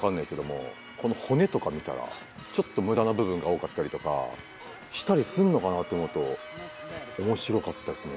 この骨とか見たらちょっとむだな部分が多かったりとかしたりするのかなって思うと面白かったですね。